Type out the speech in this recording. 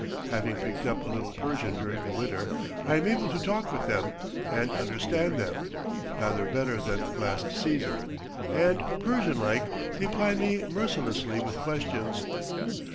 Having picked up a little Persian during the winter, I am able to talk with them, and understand them, rather better than last season, and, Persian like, they ply me mercilessly with questions.